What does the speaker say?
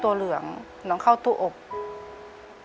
ขอเอ็กซาเรย์แล้วก็เจาะไข่ที่สันหลังค่ะ